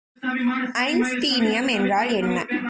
Einsteinium என்றால் என்ன?